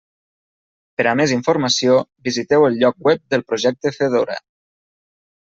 Per a més informació, visiteu el lloc web del projecte Fedora.